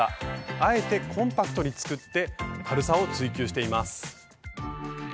あえてコンパクトに作って軽さを追求しています。